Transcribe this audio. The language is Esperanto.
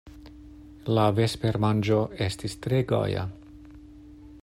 La vespermanĝo estis tre gaja.